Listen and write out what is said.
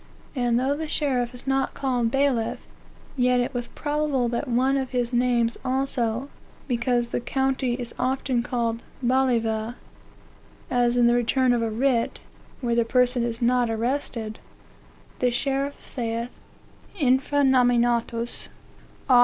And, though the sheriff is not called bailiff, yet it was probable that was one of his names also, because the county is often called balliva; as in the return of a writ, where the person is not arrested, the sheriff saith, infra nominatus, A.